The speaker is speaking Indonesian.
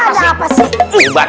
gak ada apa sih